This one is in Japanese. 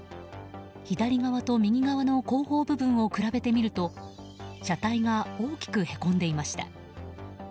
左側と右側の後方部分を比べてみると車体が大きくへこんでいました。